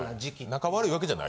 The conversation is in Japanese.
仲悪いわけじゃない。